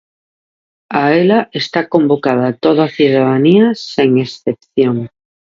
A ela está convocada toda a cidadanía sen excepción.